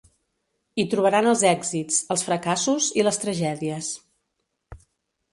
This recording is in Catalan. I trobaran els èxits, els fracassos i les tragèdies.